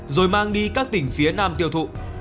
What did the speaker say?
rồi mang đi các tỉnh phía nam tiêu thụ